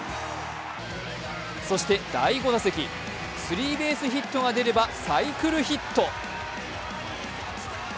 そして第５打席、スリーベースヒットが出ればサイクルヒット。